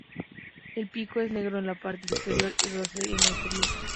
El pico es negro en la parte superior y rosáceo en la inferior.